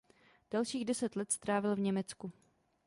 Dalších deset let strávil v Německu.